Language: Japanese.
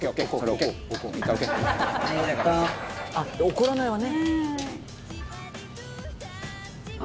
「怒らないわね」